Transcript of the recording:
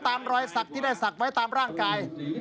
รอยสักที่ได้ศักดิ์ไว้ตามร่างกาย